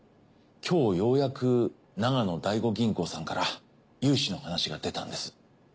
今日ようやく長野第五銀行さんから融資の話が出たんです。